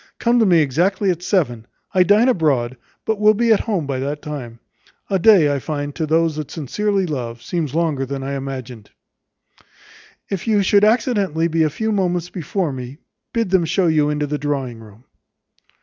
Come to me exactly at seven; I dine abroad, but will be at home by that time. A day, I find, to those that sincerely love, seems longer than I imagined. "If you should accidentally be a few moments before me, bid them show you into the drawing room."